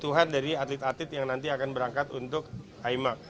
tuhan dari atlet atlet yang nanti akan berangkat untuk aima